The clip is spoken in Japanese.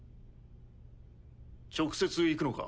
直接行くのか？